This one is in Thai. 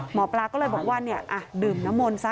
หมอปลาก็เลยบอกว่าเนี้ยอ่ะดื่มน้ำมนซะ